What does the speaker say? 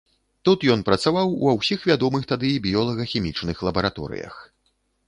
Тут ён працаваў ва ўсіх вядомых тады біёлага-хімічных лабараторыях.